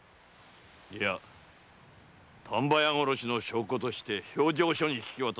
いや丹波屋殺しの証拠として評定所に引き渡す。